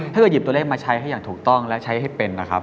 ถ้าเกิดหยิบตัวเลขมาใช้ให้อย่างถูกต้องและใช้ให้เป็นนะครับ